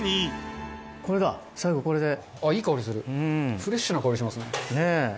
フレッシュな香りしますね。ねぇ。